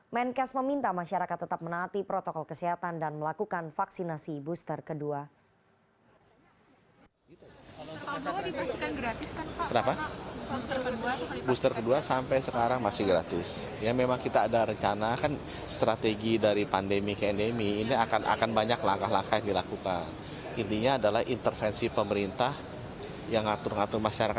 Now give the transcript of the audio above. menkes meminta masyarakat tetap menaati protokol kesehatan dan melakukan vaksinasi booster kedua